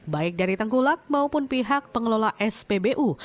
baik dari tengkulak maupun pihak pengelola spbu